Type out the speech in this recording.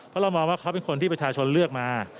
เพราะเรามองว่าเขาเป็นคนที่ประชาชนเลือกมา